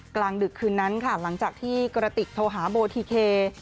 กลางดึกคืนนั้นค่ะหลังจากที่กระติกโทรหาโบทีเค